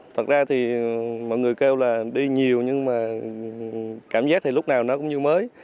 thật ra thì mọi người kêu là đi nhiều nhưng mà cảm giác thì lúc nào nó cũng như mới